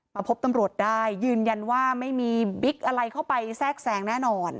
พบตำรวจได้ยืนยันว่าไม่มีบิ๊กอะไรเข้าไปแทรกแซงแน่นอน